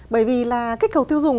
bởi vì là kích cầu tiêu dùng